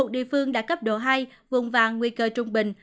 một mươi một địa phương đã cấp độ hai vùng vàng nguy cơ trung bình